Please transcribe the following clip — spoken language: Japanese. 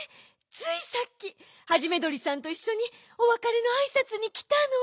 ついさっきハジメどりさんといっしょにおわかれのあいさつにきたの。